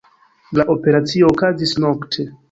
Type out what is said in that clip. La operaco okazis nokte.